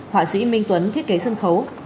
họa sĩ minh tuấn thiết kế sân khấu